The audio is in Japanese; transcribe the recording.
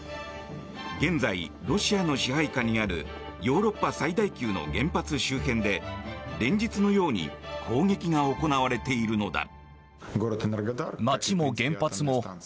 現在、ロシアの支配下にあるヨーロッパ最大級の原発周辺で連日のように攻撃が行われているのだ。